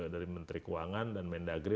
dari menteri keuangan dan mendagri